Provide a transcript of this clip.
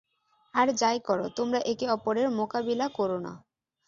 আর যাই কর, তোমরা একে অপরের মোকাবিলা করো না।